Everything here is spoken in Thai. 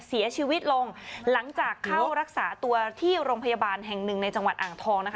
เสียชีวิตลงหลังจากเข้ารักษาตัวที่โรงพยาบาลแห่งหนึ่งในจังหวัดอ่างทองนะคะ